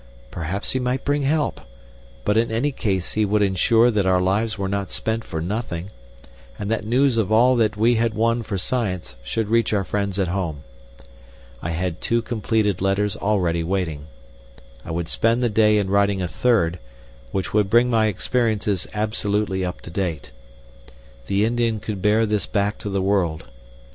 Perhaps he might bring help; but in any case he would ensure that our lives were not spent for nothing, and that news of all that we had won for Science should reach our friends at home. I had two completed letters already waiting. I would spend the day in writing a third, which would bring my experiences absolutely up to date. The Indian could bear this back to the world.